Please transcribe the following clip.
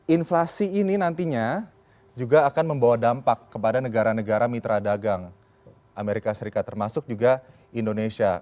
inflasi ini nantinya juga akan membawa dampak kepada negara negara mitra dagang amerika serikat termasuk juga indonesia